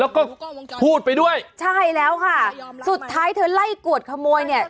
แล้วก็พูดไปด้วยใช่แล้วค่ะสุดท้ายเธอไล่กวดขโมยเนี่ย